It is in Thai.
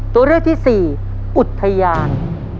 ตัวเลือกที่สี่อุทยาน